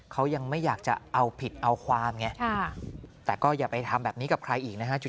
เขายังไม่อยากจะเอาผิดเอาความไงแต่ก็อย่าไปทำแบบนี้กับใครอีกนะฮะ